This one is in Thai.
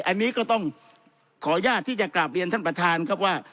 อันนี้ก็ต้องขออนุญาตที่จะกราบเรียนท่านประธานครับว่า